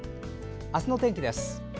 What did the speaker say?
明日の天気です。